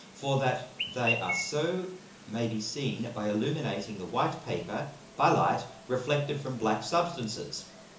For that they are so may be seen by illuminating white Paper by Light reflected from black Substances.